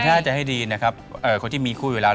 ถ้าจะให้ดีนะครับคนที่มีคู่อยู่แล้ว